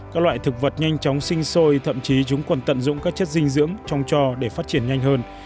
các loại thực vật nhanh chóng sinh sôi thậm chí chúng còn tận dụng các chất dinh dưỡng trong cho để phát triển nhanh hơn